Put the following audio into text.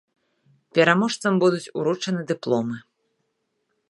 Пераможцам будуць уручаны дыпломы.